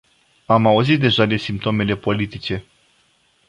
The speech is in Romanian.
Am auzit deja de simptomele politice.